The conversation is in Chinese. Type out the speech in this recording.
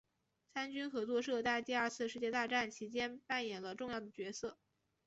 三军合作社在第二次世界大战其间扮演了重要的角色。